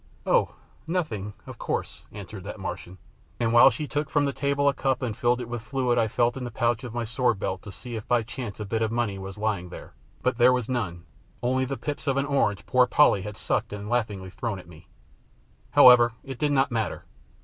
"Oh, nothing, of course," answered that Martian, and while she took from the table a cup and filled it with fluid I felt in the pouch of my sword belt to see if by chance a bit of money was lying there, but there was none, only the pips of an orange poor Polly had sucked and laughingly thrown at me. However, it did not matter.